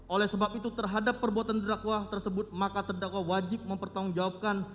oleh sebab itu terhadap perbuatan terdakwa tersebut maka terdakwa wajib mempertanggungjawabkan